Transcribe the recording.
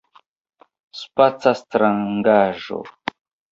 Spaca Strangaĵo!